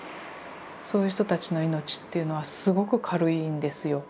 そういう人たちの命っていうのはすごく軽いんですよ。